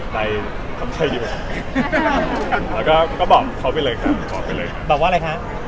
มีโอกาสได้คุยแผงตัวหรือยังได้บอกไ